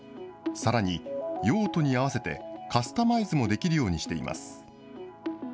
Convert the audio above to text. さらに用途に合わせてカスタマイズもできるようにしています。